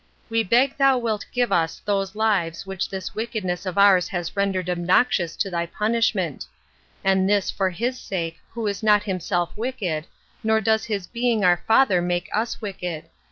We beg thou wilt give us those lives which this wickedness of ours has rendered obnoxious to thy punishment; and this for his sake who is not himself wicked, nor does his being our father make us wicked.